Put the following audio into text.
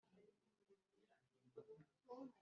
Rutare abaho turaziranye